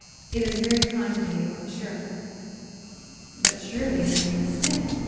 It is very kind of you, I'm sure." "But surely your name is Smith?"